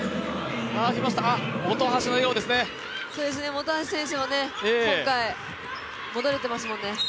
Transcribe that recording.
本橋選手も今回、戻れていますもんね。